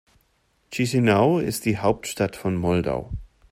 Chișinău ist die Hauptstadt von Moldau.